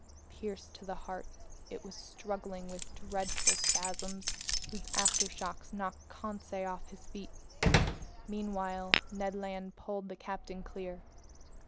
Pierced to the heart, it was struggling with dreadful spasms whose aftershocks knocked Conseil off his feet. Meanwhile Ned Land pulled the captain clear.